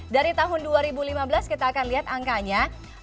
dari tahun dua ribu lima belas kita akan lihat angkanya